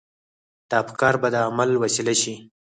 دا افکار به د عمل وسيله شي.